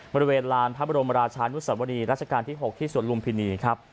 บริเวณลานพระบรมราชานุสวรีรัชกาลที่๖ที่สวนลุมพินีครับ